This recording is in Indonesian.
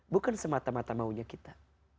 bukan semata mata maunya kita